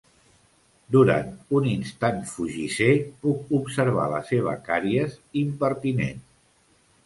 Durant un instant fugisser puc observar la seva càries impertinent.